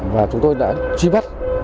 và chúng tôi đã truy bắt